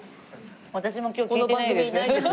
私も今日聞いてないです。